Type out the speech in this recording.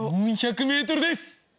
４００ｍです！